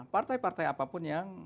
partai partai apapun yang